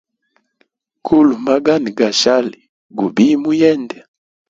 Gula magani gashali gubiye mu yende.